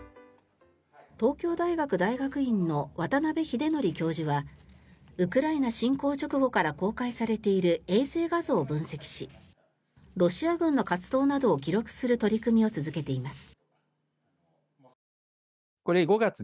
東京大学大学院の渡邉英徳教授はウクライナ侵攻直後から公開されている衛星画像を分析しロシア軍の活動などを記録する取り組みを続けています。